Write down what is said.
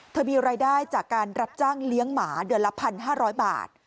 มีรายได้จากการรับจ้างเลี้ยงหมาเดือนละ๑๕๐๐บาท